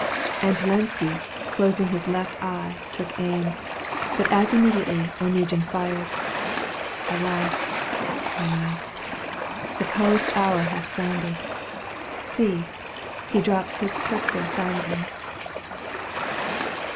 And Lenski, closing his left, eye, Took aim — but as immediately Oneguine fired — Alas ! alas 1 The poet's hour hath sounded — See ! He drops his pistol silently.